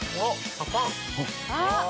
あっ！